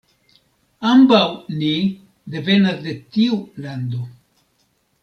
Ambaŭ ni devenas de tiu lando.